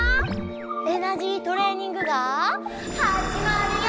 「エナジートレーニング」がはじまるよ！